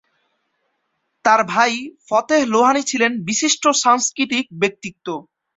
তার ভাই ফতেহ লোহানী ছিলেন বিশিষ্ট সাংস্কৃতিক ব্যক্তিত্ব।